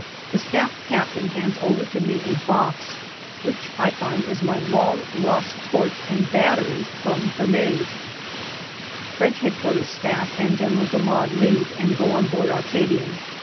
The Staff Captain hands over to me a box, which I find is my long lost torch and batteries from Gamage. APRIL 27 French Headquarter Staff and General D'Amade leave and go on board Arcadian.